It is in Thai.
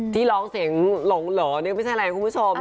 ที่ร้องเสียงหลงเหรอเนี่ยไม่ใช่อะไรคุณผู้ชม